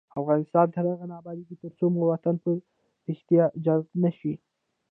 افغانستان تر هغو نه ابادیږي، ترڅو مو وطن په ریښتیا جنت نشي.